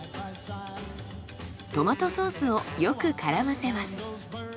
トマトソースをよく絡ませます。